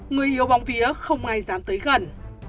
người hiếu bóng vía không ai dám tới gần